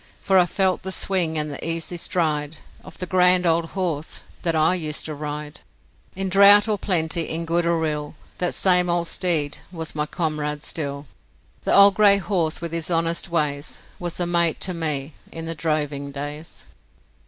For I felt the swing and the easy stride Of the grand old horse that I used to ride In drought or plenty, in good or ill, That same old steed was my comrade still; The old grey horse with his honest ways Was a mate to me in the droving days.